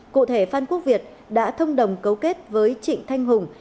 cụ thể phan quốc việt đã thông đồng cấu kết với trịnh thanh hùng